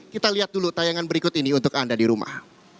kita lihat dulu tayangan berikut ini untuk anda di rumah